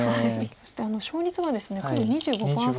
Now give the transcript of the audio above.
そして勝率がですね黒２５％と。